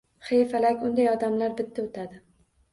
He, falak, unday odamlar bitta o‘tadi!